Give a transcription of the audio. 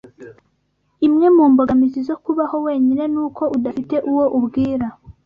Imwe mu mbogamizi zo kubaho wenyine ni uko udafite uwo ubwira.